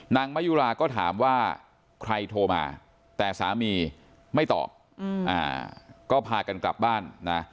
นางมะยุราก็ถามว่าใครโทรมาแต่สามีไม่ตอบก็พากันกลับบ้านนะ